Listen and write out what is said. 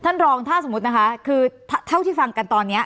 ท่านรองถ้าสมมุตินะคะคือเท่าที่ฟังกันตอนนี้